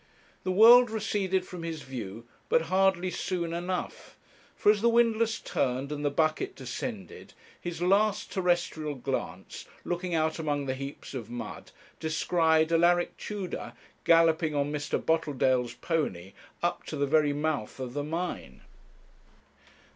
The world receded from his view, but hardly soon enough; for as the windlass turned and the bucket descended, his last terrestrial glance, looking out among the heaps of mud, descried Alaric Tudor galloping on Mr. Boteldale's pony up to the very mouth of the mine.